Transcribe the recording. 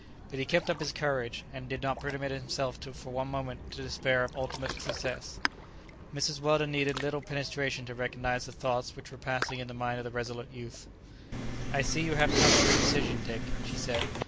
But he kept up his courage, and did not permit himself for one moment to despair of ultimate success. Mrs. Weldon needed little penetration to recognize the thoughts which were passing in the mind of the resolute youth. "I see you have come to your decision, Dick," she said.